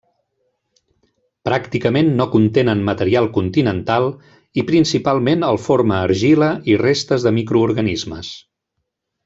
Pràcticament no contenen material continental i principalment el forma argila i restes de microorganismes.